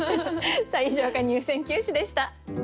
以上が入選九首でした。